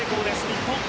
日本。